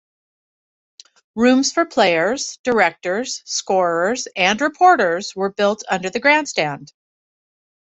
Rooms for players, directors, scorers, and reporters were built under the grandstand.